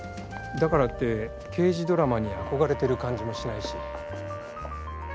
だからって刑事ドラマに憧れてる感じもしないし。